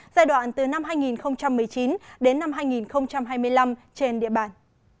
giai đoạn từ năm hai nghìn một mươi chín đến năm hai nghìn hai mươi năm trên địa bàn